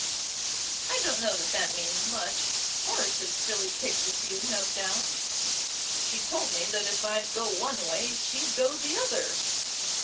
"I don't know that that means much. Horace's filly kicked a few, no doubt." "She told me that if I'd go one way, she'd go the other!"